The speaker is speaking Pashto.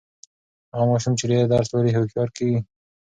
هغه ماشوم چې ډېر درس لولي، هوښیار کیږي.